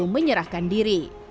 pelaku menyerahkan diri